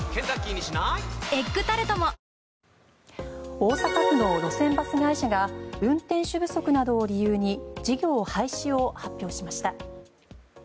大阪府の路線バス会社が運転手不足などを理由に事業廃止を発表しました。